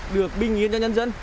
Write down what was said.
được binh yên cho nhân dân